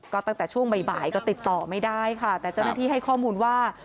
ก็ตั้งแต่ช่วงบ่ายก็ติดต่อไม่ได้ค่ะแต่เจ้าหน้าที่ให้ข้อมูลว่า